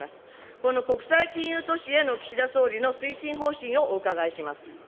この国際金融都市への岸田総理の推進方針をお伺いします。